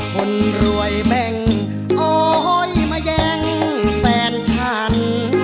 คนรวยแบ่งโอ๊ยมาแย่งแฟนฉัน